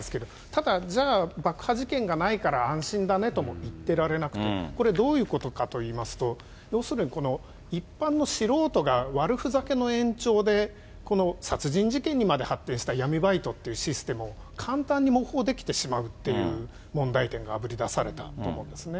ただ、じゃあ、爆破事件がないから安心だねとも言ってられなくて、これ、どういうことかといいますと、要するに、一般の素人が悪ふざけの延長で、この殺人事件にまで発展した闇バイトっていうシステムを簡単に模倣できてしまうって問題点があぶりだされたと思うんですね。